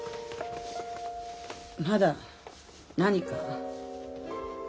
まだ何か？